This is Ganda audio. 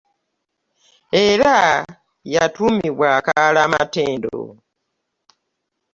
Era yatuumibwa akaalo amatendo.